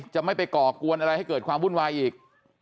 จะไม่ไปก่อกวนอะไรให้เกิดความวุ่นวายอีก